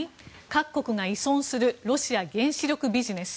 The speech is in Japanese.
各国が依存するロシア原子力ビジネス。